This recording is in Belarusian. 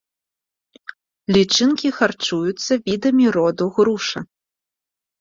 Лічынкі харчуюцца відамі роду груша.